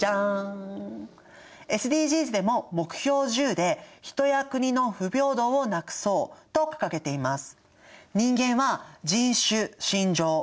ＳＤＧｓでも目標１０で「人や国の不平等をなくそう」と掲げています。